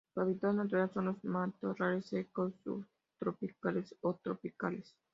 Su hábitat natural son los matorrales secos subtropicales o tropicales.